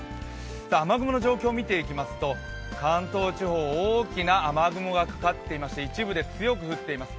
雨雲の状況を見ていきますと関東地方、大きな雨雲がかかっていますし一部で強く降っています。